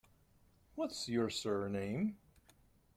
What's your surname?